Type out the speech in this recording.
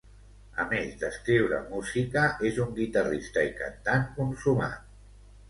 A més d'escriure música, és un guitarrista i cantant consumat.